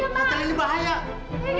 pokoknya bapak sama ibu perlu ada disini